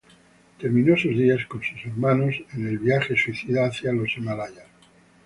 Terminó sus días con sus hermanos, en el viaje suicida hacia los Himalayas.